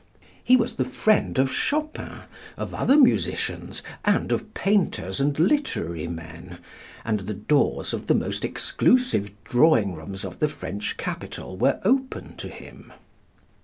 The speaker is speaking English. He was the friend of Chopin, of other musicians, and of painters and literary men, and the doors of the most exclusive drawing rooms of the French capital were open to him.